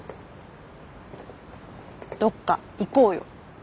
どっか行こうよ。